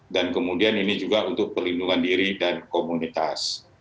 dan kemudian ini juga untuk perlindungan diri dan komunitas